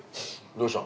どうした？